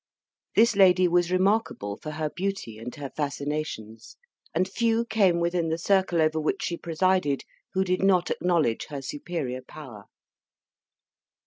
This lady was remarkable for her beauty and her fascinations; and few came within the circle over which she presided who did not acknowledge her superior power.